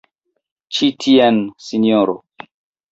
Ĉi tien, sinjoro!